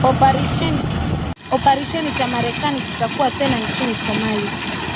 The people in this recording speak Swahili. operesheni cha Marekani kitakuwa tena nchini Somalia